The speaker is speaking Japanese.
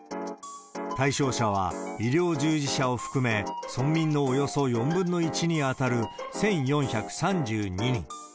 対象者は医療従事者を含め、村民のおよそ４分の１に当たる１４３２人。